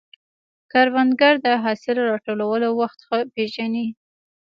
کروندګر د حاصل راټولولو وخت ښه پېژني